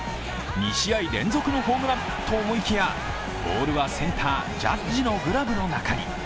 ２試合連続のホームランと思いきやボールはセンター、ジャッジのグラブの中に。